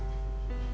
aku juga kurang jelas